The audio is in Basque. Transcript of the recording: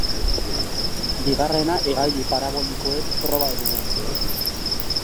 Bigarrena hegaldi parabolikoen proba dugu.